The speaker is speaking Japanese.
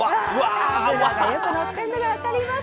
脂がよくのってるのが分かります。